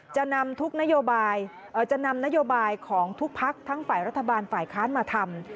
จะนำนโยบายของทุกภักดิ์ทั้งฝ่ายรัฐบาลฝ่ายค้านมาทำ